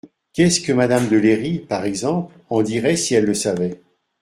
Qu’est-ce que madame de Léry, par exemple, en dirait si elle le savait ?